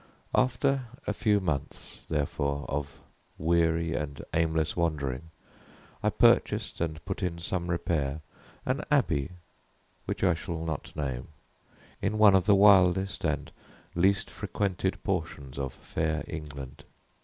After a few months, therefore, of weary and aimless wandering, I purchased and put in some repair, an abbey, which I shall not name, in one of the wildest and least frequented portions of fair England.